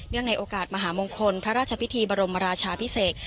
ในโอกาสมหามงคลพระราชพิธีบรมราชาพิเศษ